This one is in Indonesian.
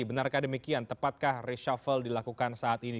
benarkah demikian tepatkah reshuffle dilakukan saat ini